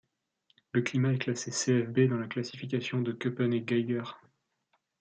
Le climat est classé Cfb dans la classification de Köppen et Geiger.